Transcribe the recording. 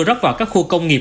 rất vào các khu công nghiệp